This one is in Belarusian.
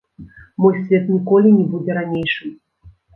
Мой свет ніколі не будзе ранейшым.